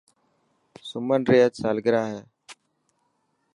سمن ري اڄ سالگرا هي.